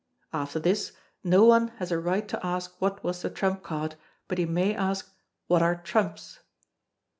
[After this, no one has a right to ask what was the trump card, but he may ask "What are Trumps?"